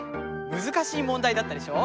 難しい問題だったでしょ？